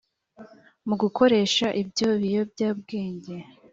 mu gukoresha ibyo biyobyabwenge